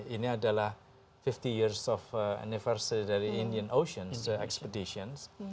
ini adalah lima puluh years of anniversary dari indian ocean expeditions